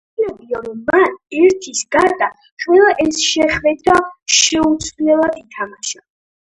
აღსანიშნავია, რომ მან ერთის გარდა, ყველა ეს შეხვედრა შეუცვლელად ითამაშა.